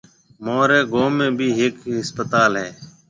مهوريَ گوم ۾ ڀِي هيَڪ هسپتال هيَ۔